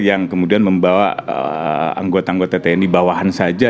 yang kemudian membawa anggota anggota tni bawahan saja